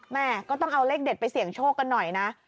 แม่ก็ต้องเอาเลขเด็ดไปเสี่ยงโชคกันหน่อยนะ